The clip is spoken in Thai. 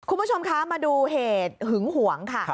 คุณผู้ชมคะมาดูเหตุหึงหวงค่ะ